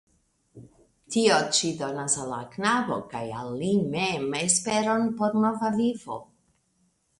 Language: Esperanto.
Tio ĉi donas al la knabo (kaj al li mem) esperon por nova vivo.